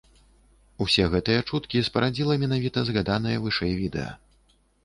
Усе гэтыя чуткі спарадзіла менавіта згаданае вышэй відэа.